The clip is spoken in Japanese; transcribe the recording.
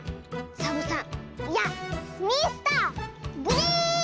サボさんいやミスターグリーン！